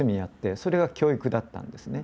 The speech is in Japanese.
それが教育だったんですね。